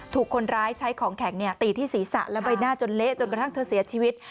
ถูกคนร้ายใช้ของแข็งตีที่ศีรษะและใบหน้าจนเละจนกระทั่งเธอเสียชีวิต